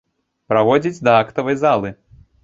Праводзіць да актавай залы.